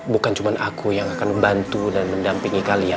bukan cuma aku yang akan membantu dan mendampingi kalian